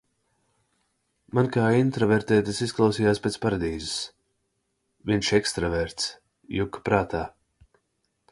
Man kā intravertei tas izklausījās pēc paradīzes. Viņš, ekstraverts, juka prātā.